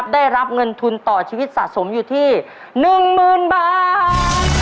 ได้รับเงินทุนต่อชีวิตสะสมอยู่ที่๑๐๐๐บาท